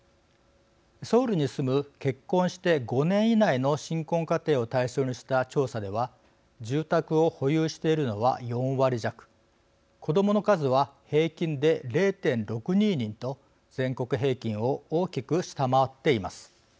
ソウルに住む結婚して５年以内の新婚家庭を対象にした調査では住宅を保有しているのは４割弱子どもの数は平均で０．６２人と全国平均を大きく下回っています。